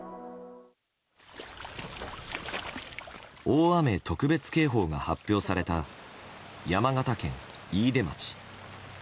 大雨特別警報が発表された山形県飯豊町。